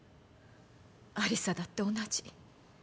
有沙だって同じ。